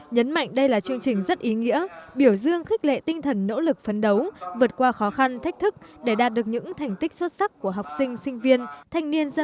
nhấn mạnh đây là chương trình rất ý nghĩa biểu dương khích lệ tinh thần nỗ lực phấn đấu vượt qua khó khăn thách thức để đạt được những thành tích